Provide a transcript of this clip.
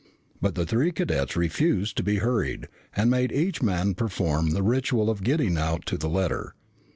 But the three cadets refused to be hurried and made each man perform the ritual of getting out to the letter.